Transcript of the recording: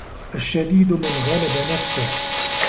الشَّدِيدُ مَنْ غَلَبَ نَفْسَهُ